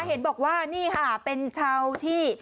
เห็นบอกว่านี่ค่ะเป็นชาวที่